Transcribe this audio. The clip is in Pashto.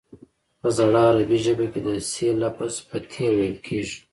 په زړه عربي ژبه کې د ث لفظ په ت ویل کیږي